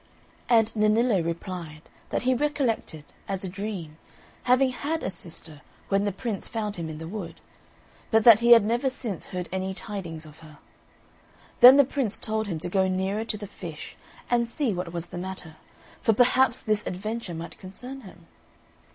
And Nennillo replied, that he recollected, as a dream, having had a sister when the Prince found him in the wood, but that he had never since heard any tidings of her. Then the Prince told him to go nearer to the fish, and see what was the matter, for perhaps this adventure might concern him.